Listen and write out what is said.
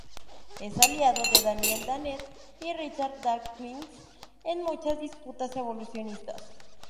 Es aliado de Daniel Dennett y Richard Dawkins en muchas disputas evolucionistas.